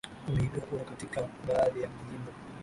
wameibiwa kura katika baadhi ya majimbo